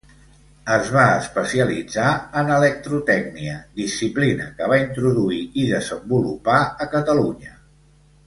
Es va especialitzar en electrotècnia, disciplina que va introduir i desenvolupar a Catalunya.